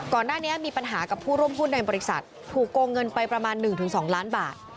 ก่อนหน้านี้มีปัญหากับผู้ร่วมหุ้นในบริษัทถูกโกงเงินไปประมาณ๑๒ล้านบาท